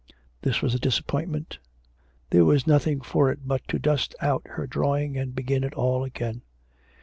This was a disappointment. There was nothing for it but to dust out her drawing and begin it all again.